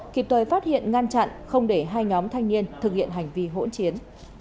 kịp thời phát hiện ngăn chặn không để hai nhóm thanh niên thực hiện hành vi hỗn chiến